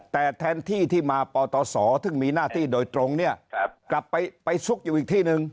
แต่แทนที่ที่มาปตศซึ่งมีหน้าที่โดยตรงเนี่ยกลับไปซุกอยู่อีกที่หนึ่ง